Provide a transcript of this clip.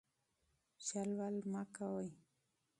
چل ول مه کوئ.